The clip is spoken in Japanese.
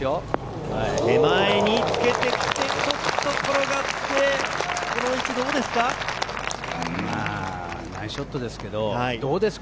手前につけてきて、ちょっと転がって、この位置、どうですか？